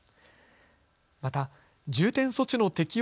また重点措置の適用